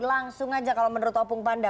langsung aja kalau menurut opung panda